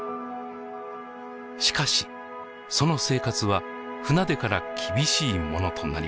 しかしその生活は船出から厳しいものとなりました。